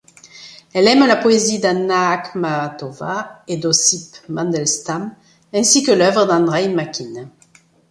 Elle aime la poésie d'Anna Akhmatova et d'Ossip Mandelstam ainsi que l’œuvre d'Andreï Makine.